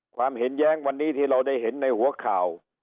ความเห็นแย้งวันนี้ที่เราได้เห็นในหัวข่าว